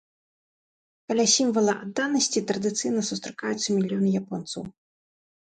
Каля сімвала адданасці традыцыйна сустракаюцца мільёны японцаў.